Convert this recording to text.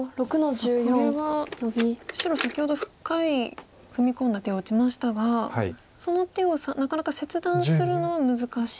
さあこれは白先ほど深い踏み込んだ手を打ちましたがその手をなかなか切断するのは難しい。